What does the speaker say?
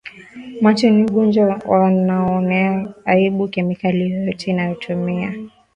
macho ni ugonjwa wanauonea aibuKemikali yoyote anayoitumia